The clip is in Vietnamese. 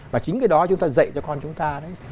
và chính cái đó chúng ta dạy cho con chúng ta đấy